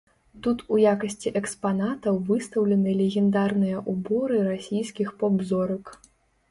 Тут у якасці экспанатаў выстаўлены легендарныя ўборы расійскіх поп-зорак.